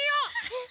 えっ。